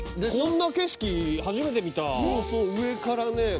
こんな景色初めて見たそうそう上からね